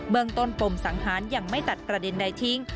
เมืองต้นปมสังหารยังไม่ตัดประเด็นใดทิ้ง